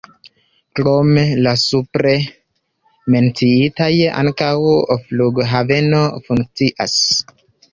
Krom la supre menciitaj ankaŭ flughaveno funkcias.